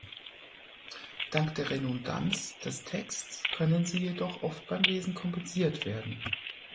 Dank der Redundanz des Texts können sie jedoch oft beim Lesen kompensiert werden.